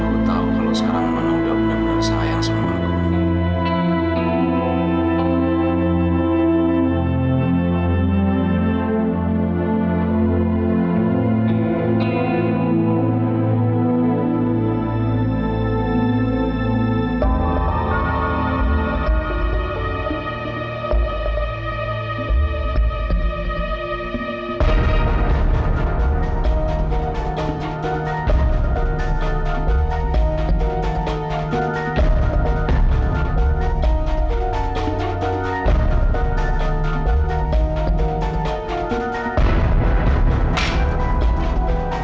aku tahu kalau sekarang menanggap benar benar sayang semua